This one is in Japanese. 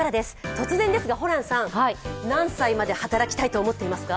突然ですがホランさん何歳まで働きたいと思っていますか？